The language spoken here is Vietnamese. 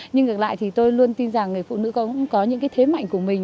nhưng ngược lại thì tôi luôn tin rằng người phụ nữ cũng có những thế mạnh của mình